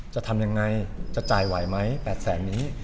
จะทำยังไงจะจ่ายไหวไหม๘แสนนี้